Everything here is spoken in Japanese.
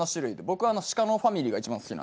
僕はシカのファミリーが一番好き。